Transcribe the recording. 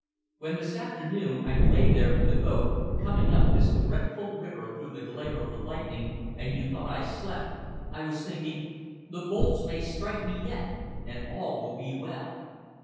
When, this afternoon, I lay there in the boat, coming up this dreadful river through the glare of the lightning, and you thought I slept, I was thinking, 'The bolts may strike me yet, and all will be well.'